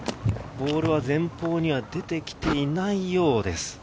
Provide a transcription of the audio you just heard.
ボールは前方には出てきていないようです。